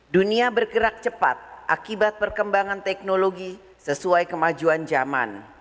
dunia bergerak cepat akibat perkembangan teknologi sesuai kemajuan zaman